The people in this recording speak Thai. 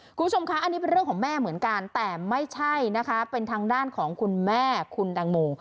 คุณผู้ชมคะอันนี้เป็นเรื่องของแม่เหมือนกันแต่ไม่ใช่นะคะเป็นทางด้านของคุณแม่คุณตังโม